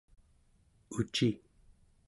uci